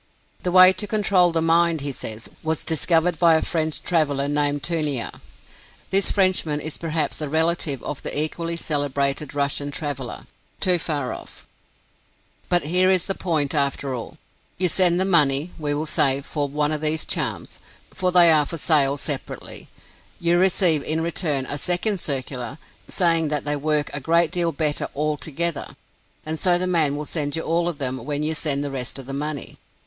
The way to control the mind, he says, was discovered by a French traveler named Tunear. This Frenchman is perhaps a relative of the equally celebrated Russian traveller, Toofaroff. But here is the point, after all. You send the money, we will say, for one of these charms for they are for sale separately. You receive in return a second circular, saying that they work a great deal better all together, and so the man will send you all of them when you send the rest of the money.